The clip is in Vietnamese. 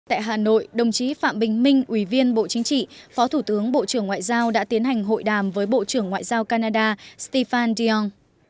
tại hà nội đồng chí phạm bình minh ủy viên bộ chính trị phó thủ tướng bộ trưởng ngoại giao đã tiến hành hội đàm với bộ trưởng ngoại giao canada stefan diong